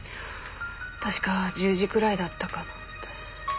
確か１０時くらいだったかと。